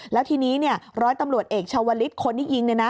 แล้วทีนี้ร้อยตำรวจเอกชาวลิศคนที่ยิงเนี่ยนะ